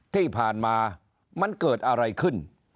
ที่ผ่านมามันเกิดอะไรขึ้น